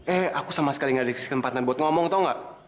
eh aku sama sekali gak ada kesempatan buat ngomong tau gak